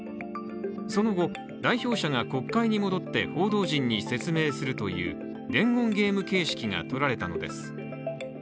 その後、代表者が国会に戻って報道陣に説明するという伝言ゲーム形式がとられたのです。